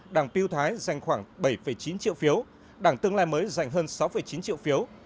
đảng tiêu thái dành khoảng bảy chín triệu phiếu đảng tương lai mới giành hơn sáu chín triệu phiếu